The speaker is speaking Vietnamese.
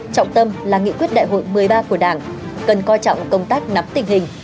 trọng tâm là nghị quyết đại hội một mươi ba của đảng cần coi trọng công tác nắm tình hình